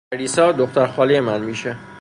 پریسا، دختر خالهٔ من میشه